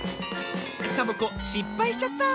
サボ子しっぱいしちゃった。